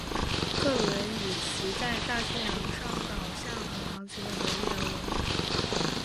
克鲁人以其在大西洋上导向和航行的能力而闻名。